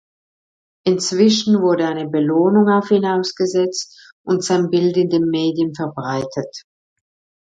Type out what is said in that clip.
Inzwischen wurde eine Belohnung auf ihn ausgesetzt und sein Bild in den Medien verbreitet.